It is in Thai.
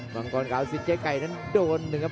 มังกรขาวสิเจให้ไก่นั้นโดนหนึ่งครับ